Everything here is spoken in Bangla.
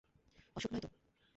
অসুখ নয় তো?